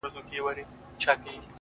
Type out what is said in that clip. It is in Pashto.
د ميني شر نه دى چي څـوك يـې پــټ كړي؛